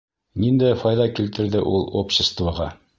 Ниндәй файҙа килтерҙе ул обществоға?